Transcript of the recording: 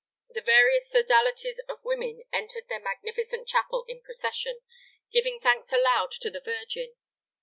The various sodalities of women entered their magnificent chapel in procession, giving thanks aloud to the Virgin.